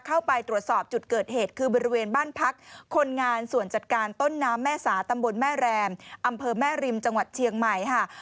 เข้าไปตรวจสอบจุดเกิดเหตุคือบริเวณบ้านพักคนงานส่วนจัดการต้นน้ำแม่สาตำบลแม่แรมอำเภอแม่ริมจังหวัดเชียงใหม่ค่ะ